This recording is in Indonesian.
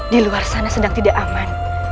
di luar sana sedang tidak aman